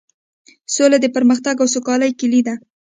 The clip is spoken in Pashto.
سوله د پرمختګ او سوکالۍ کیلي ده.